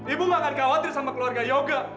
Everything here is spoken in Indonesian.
ibu gak akan khawatir sama keluarga yoga